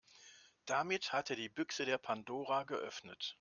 Damit hat er die Büchse der Pandora geöffnet.